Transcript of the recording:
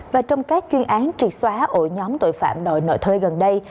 và trong các chuyên án triệt xóa ổ nhóm tội phạm đội nội thuê gần đây